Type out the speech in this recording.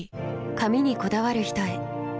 髪にこだわる人へ。